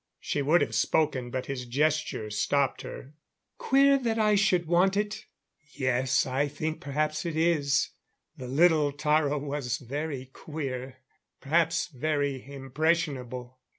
She would have spoken, but his gesture stopped her. "Queer that I should want it? Yes, I think perhaps it is. The little Taro was very queer, perhaps very impressionable.